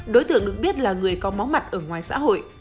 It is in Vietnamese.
đối tượng được biết là người có máu mặt ở ngoài xã hội